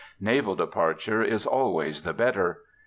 Naval departure is always the better.